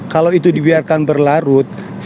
kalau itu dibiarkan berlarut stigma juga akan berlalu